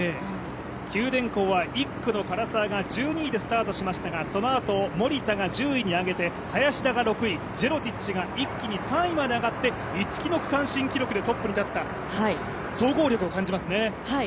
九電工は１区の唐沢が１２位でスタートしましたがそのあと森田が１０位に上げて、林田が６位ジェロティッチが一気に３位まで上がって、逸木の区間新記録でトップに立った総合力を感じますね。